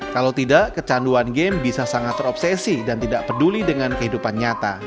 kalau tidak kecanduan game bisa sangat terobsesi dan tidak peduli dengan kehidupan nyata